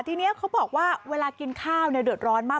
ทีนี้เขาบอกว่าเวลากินข้าวเดือดร้อนมาก